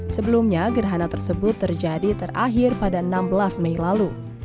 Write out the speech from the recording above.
sebelumnya gerhana tersebut terjadi terakhir pada enam belas mei lalu